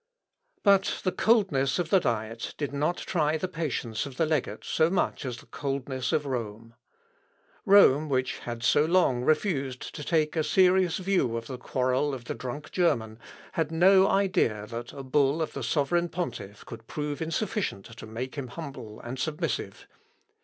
But the coldness of the Diet did not try the patience of the legate so much as the coldness of Rome. Rome, which had so long refused to take a serious view of the quarrel of the drunk German, had no idea that a bull of the sovereign pontiff could prove insufficient to make him humble and submissive.